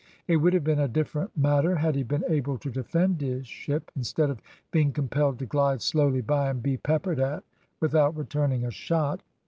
It would have been a different matter had he been able to defend his ship instead of being compelled to glide slowly by and be peppered at without returning a shot.